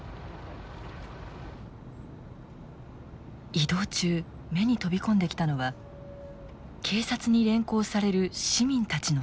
移動中目に飛び込んできたのは警察に連行される市民たちの姿。